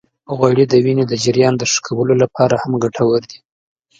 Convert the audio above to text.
غوړې د وینې د جريان د ښه کولو لپاره هم ګټورې دي.